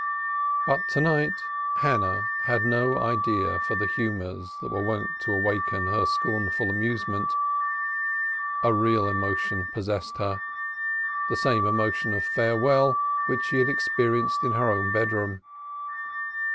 But to night Hannah had no eye for the humors that were wont to awaken her scornful amusement a real emotion possessed her, the same emotion of farewell which she had experienced in her own bedroom.